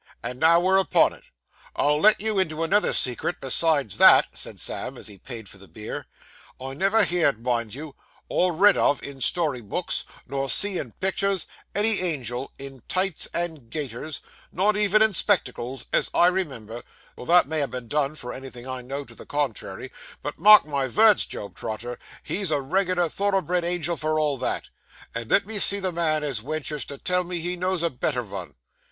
And now we're upon it, I'll let you into another secret besides that,' said Sam, as he paid for the beer. 'I never heerd, mind you, or read of in story books, nor see in picters, any angel in tights and gaiters not even in spectacles, as I remember, though that may ha' been done for anythin' I know to the contrairey but mark my vords, Job Trotter, he's a reg'lar thoroughbred angel for all that; and let me see the man as wenturs to tell me he knows a better vun.